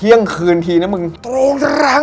เที่ยงคืนทีนะมึงตรงตรัง